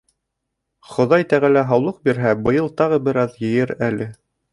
Хоҙай Тәғәлә һаулыҡ бирһә, быйыл тағы бер аҙ йыйыр әле.